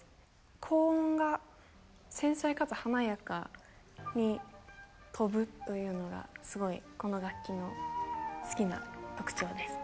高音が繊細かつ華やかに飛ぶというのがすごいこの楽器の好きな特徴です。